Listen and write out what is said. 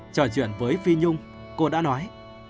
trò chuyện với phi nhung cô đã nói